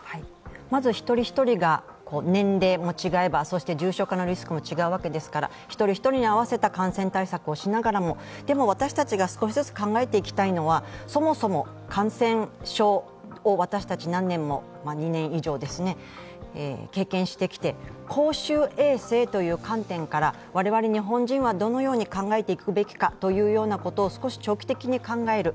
まず一人一人が年齢も違えば重症化リスクも違うわけですから一人一人に合わせた感染対策をしながらも、でも、私たちが少しずつ考えていきたいのは、そもそも感染症を私たち、何年も、２年以上、経験してきて、公衆衛生という観点から我々日本人はどのように考えていくべきかというようなことを少し長期的に考える。